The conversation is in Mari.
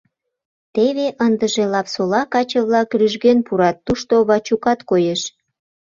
Теве ындыже Лапсола каче-влак рӱжген пурат, тушто Вачукат коеш.